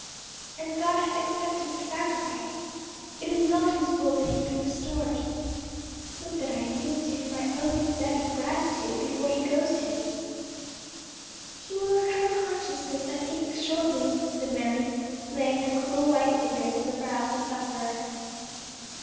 "And God hath accepted the sacrifice; it is not his will that he be restored. Would that I knew to whom I owe this debt of gratitude before he goes hence." "He will recover consciousness, I think, shortly," said Mary, laying her cool white fingers on the brow of the sufferer.